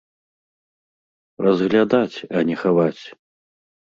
Разглядаць, а не хаваць!